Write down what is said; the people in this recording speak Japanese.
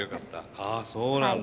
ああそうなんだ。